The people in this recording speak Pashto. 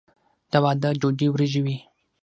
د واده ډوډۍ وریجې وي.